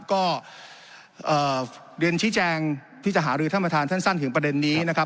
ก็เรียนชี้แจงที่จะหารือท่านประธานสั้นถึงประเด็นนี้นะครับ